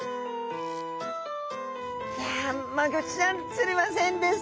いやマゴチちゃん釣れませんでした。